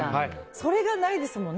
それがないですもんね。